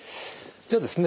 じゃあですね